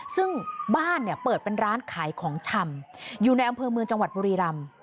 ซึ่งบ้านเนี่ยเปิดเป็นร้านขายของชำอยู่ในอำเภอเมืองจังหวัดบุรีรำ